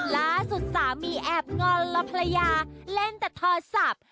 ล่าสุดสามีแอบงอนและภรรยาเล่นแต่โทรศัพท์